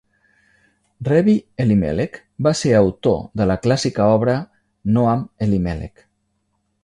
Rebbi Elimelech va ser autor de la clàssica obra Noam Elimelech.